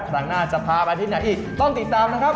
ครั้งหน้าจะพาไปที่ไหนอีกต้องติดตามนะครับ